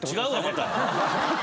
また。